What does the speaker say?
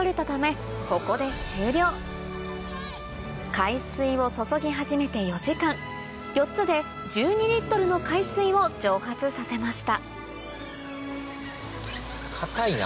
海水を注ぎ始めて４時間４つで１２の海水を蒸発させました硬いな。